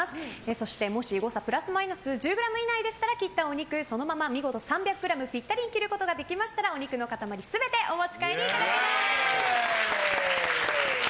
そしてもし誤差プラスマイナス１０ｇ以内であれば切ったお肉をそのまま見事３００ｇピッタリに切ることができましたらお肉の塊全てお持ち帰りいただけます。